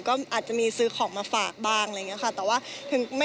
ก็อาจจะมีซื้อของมาฝากบ้างอะไรอย่างนี้ค่ะ